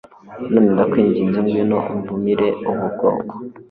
none ndakwinginze ngwino umvumire ubu bwoko